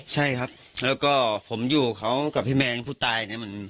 ใช่ครับแล้วก็ผมอยู่กับพี่แมงผู้ตาย